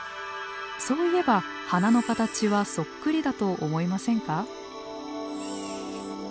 そういえば鼻の形はそっくりだと思いませんか？